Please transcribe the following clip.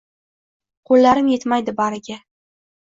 Qo‘llarim yetmaydi bariga.